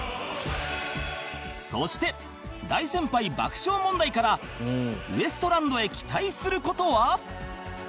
そして大先輩爆笑問題からウエストランドへ期待する事は？